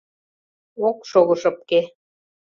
Ок шого шыпке